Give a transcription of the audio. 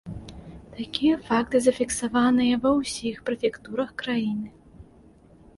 Такія факты зафіксаваныя ва ўсіх прэфектурах краіны.